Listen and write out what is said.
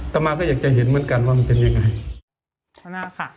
ต่อมาก็อยากจะเห็นเหมือนกันว่ามันเป็นยังไง